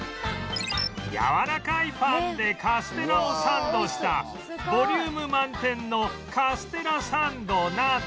やわらかいパンでカステラをサンドしたボリューム満点のカステラサンドなど